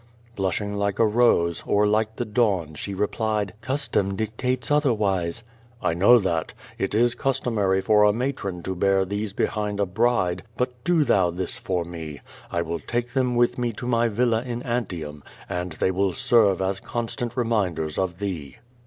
Blushing like a rose, or like the dawn, she replied: Custom dictates other\i'ise." "I know that. It is customary for a matron to bear these behind a bride, but do thou this for me. I will take them with me to my villa in Antium, and they will serve as constant reminders of thee."